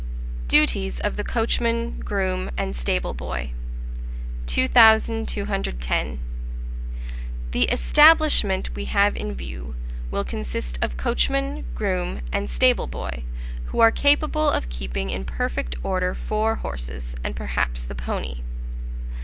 DUTIES OF THE COACHMAN, GROOM, AND STABLE BOY. 2210. The Establishment we have in view will consist of coachman, groom, and stable boy, who are capable of keeping in perfect order four horses, and perhaps the pony.